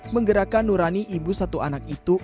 menggerakkan nurani ibu satu anak itu